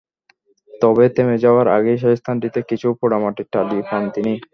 তবে থেমে যাওয়ার আগে সেই স্থানটিতে কিছু পোড়ামাটির টালি পান তিনি।